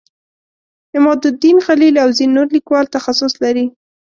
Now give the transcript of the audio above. عمادالدین خلیل او ځینې نور لیکوال تخصص لري.